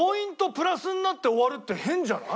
プラスになって終わるって変じゃない？